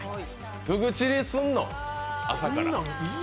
ふぐちりすんの、朝から？